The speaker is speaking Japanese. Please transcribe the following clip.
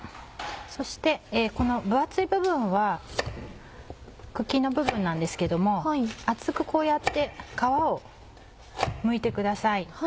そしてこの分厚い部分は茎の部分なんですけれども厚くこうやって皮をむいてください。